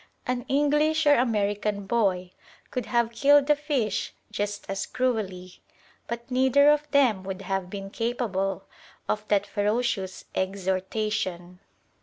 An English or American boy could have killed the fish just as cruelly; but neither of them would have been capable of that ferocious exhortation.